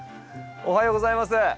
おはようございます。